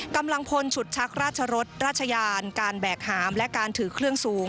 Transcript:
กำลังพลฉุดชักราชรสราชยานการแบกหามและการถือเครื่องสูง